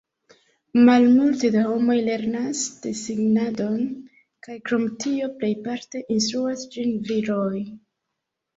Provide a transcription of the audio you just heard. Malmulte da homoj lernas desegnadon, kaj krom tio plejparte instruas ĝin viroj.